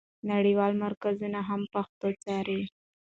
نړیوال مرکزونه هم پښتو څاري.